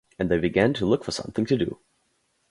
And they began to look for something to do.